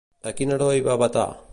A quin heroi va vetar?